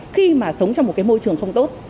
khi mà sống trong một môi trường không tốt